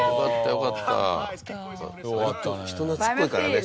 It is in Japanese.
よかったね。